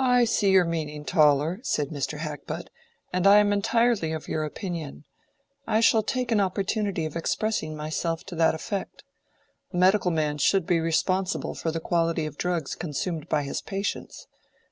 "I see your meaning, Toller," said Mr. Hackbutt, "and I am entirely of your opinion. I shall take an opportunity of expressing myself to that effect. A medical man should be responsible for the quality of the drugs consumed by his patients.